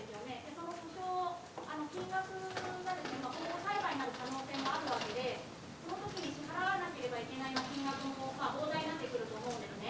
その補償、金額など今後裁判になる可能性もあるわけで、そのときに支払わなければいけない金額も膨大になってくると思うんですね。